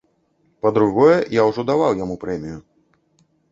Па-другое, я ўжо даваў яму прэмію.